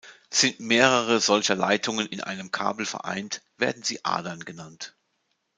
Sind mehrere solcher Leitungen in einem Kabel vereint, werden sie Adern genannt.